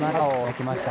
きました！